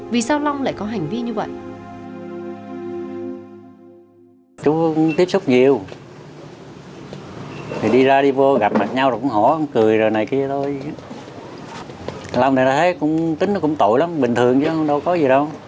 vì sao long lại có hành vi như vậy